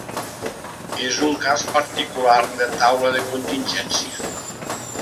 És un cas particular de taula de contingència.